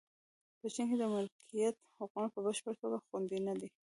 په چین کې د مالکیت حقونه په بشپړه توګه خوندي نه دي.